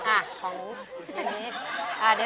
อ่ะของเดนีส